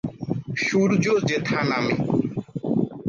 সূর্য্য যেথা নামে।